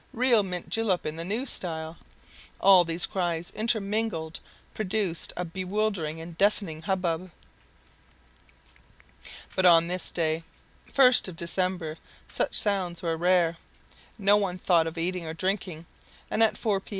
"Real mint julep in the new style!" All these cries intermingled produced a bewildering and deafening hubbub. But on this day, 1st of December, such sounds were rare. No one thought of eating or drinking, and at four P.